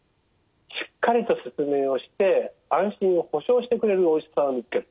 しっかりと説明をして安心を保証してくれるお医者さんを見つける。